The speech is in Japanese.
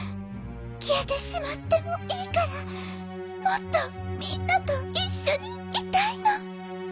きえてしまってもいいからもっとみんなといっしょにいたいの！